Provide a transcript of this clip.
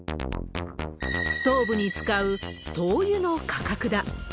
ストーブに使う灯油の価格だ。